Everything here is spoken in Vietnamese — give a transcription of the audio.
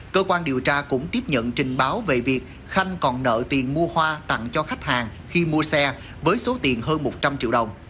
cơ quan điều tra cũng tiếp nhận trình báo về việc khanh còn nợ tiền mua hoa tặng cho khách hàng khi mua xe với số tiền hơn một trăm linh triệu đồng